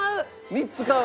３つ買う？